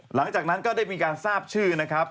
หลังจากนั้นก็ได้มีการทราบชื่อนะครับ